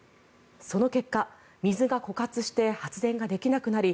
その結果、水が枯渇して発電ができなくなり